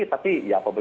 tapi ya apa belum